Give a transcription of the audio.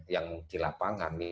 yang di lapangan